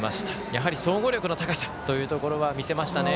やはり、総合力の高さというところは見せましたね。